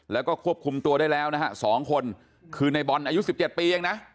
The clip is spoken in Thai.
แล้วก็ควบคุมตัวได้แล้วนะฮะ๒คนคือในบอลอายุ๑๗ปีเองนะ